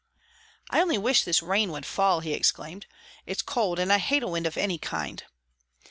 "I only wish this wind would fall!" he exclaimed. "It's cold, and I hate a wind of any kind."